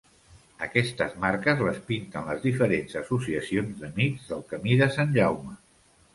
Aquestes marques les pinten les diferents associacions d'amics del Camí de Sant Jaume.